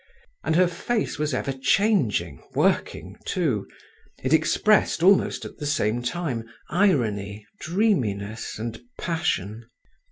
And her face was ever changing, working too; it expressed, almost at the same time, irony, dreaminess, and passion.